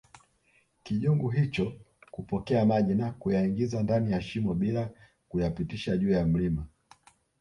kijungu hicho kupokea maji na kuyaingiza ndani ya shimo bila kuyapitisha juu ya mlima